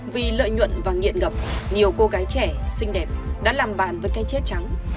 vì lợi nhuận và nghiện gặp nhiều cô gái trẻ xinh đẹp đã làm bàn với cái chết trắng